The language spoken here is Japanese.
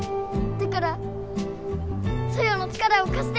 だからソヨの力をかして！